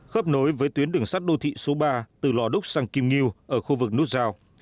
khớp nối với tuyến đường sắt đô thị số ba từ lò đúc sang kim ngu ở khu vực nút giao